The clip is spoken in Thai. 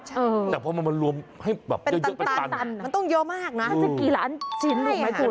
ใช่เป็นตันนะมันต้องเยอะมากนะคือมันจะเกี่ยวกับกี่ล้านชิ้นลูกมั้ยคุณ